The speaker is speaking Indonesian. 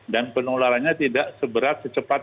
dan penularannya tidak seberat